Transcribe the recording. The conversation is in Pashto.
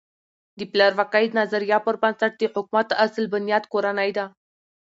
د پلار واکۍ نظریه پر بنسټ د حکومت اصل بنیاد کورنۍ ده.